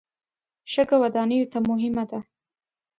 شګه ودانیو ته مهمه ده.